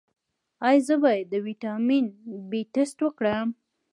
ایا زه باید د ویټامین بي ټسټ وکړم؟